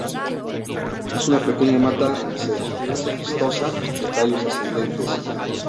Es una pequeña mata cespitosa de tallos ascendentes.